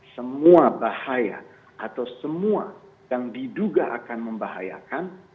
semua bahaya atau semua yang diduga akan membahayakan